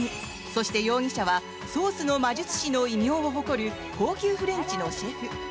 そして、容疑者はソースの魔術師の異名を誇る高級フレンチのシェフ。